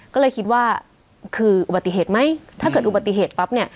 ก็เลยคิดว่าคืออุบัติเหตุไหมถ้าเกิดอุบัติเหตุปั๊บเนี่ย